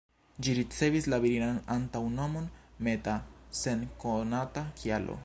Ĝi ricevis la virinan antaŭnomon ""Meta"" sen konata kialo.